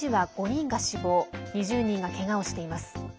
２０人が、けがをしています。